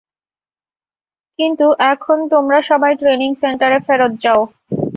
কিন্তু, এখন তোমরা সবাই ট্রেইনিং সেন্টারে ফেরত যাও।